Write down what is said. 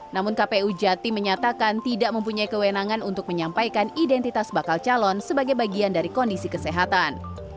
namun kpu jati menyatakan tidak mempunyai kewenangan untuk menyampaikan identitas bakal calon sebagai bagian dari kondisi kesehatan